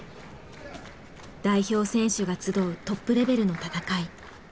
代表選手が集うトップレベルの戦い。